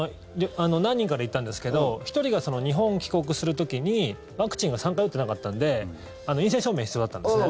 何人かで行ったんですけど１人が日本帰国する時にワクチンが３回打ってなかったんで陰性証明が必要だったんですね。